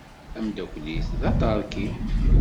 Amdakel-is d aṭerki.